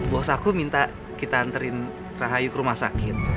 bos aku minta kita anterin rahayu ke rumah sakit